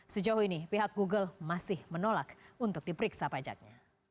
sejauh ini pihak google masih menolak untuk diperiksa pajaknya